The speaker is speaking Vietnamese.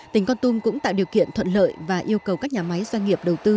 tỉnh con tum cũng tạo điều kiện thuận lợi và yêu cầu các nhà máy doanh nghiệp đầu tư